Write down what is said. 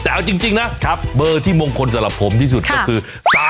แต่เอาจริงนะเบอร์ที่มงคลสำหรับผมที่สุดก็คือ